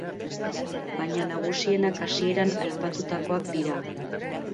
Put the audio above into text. Baina nagusienak hasieran aipatutakoak dira.